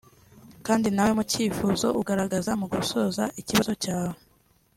Kandi nawe mu cyifuzo ugaragaza mu gusoza ikibazo cyawe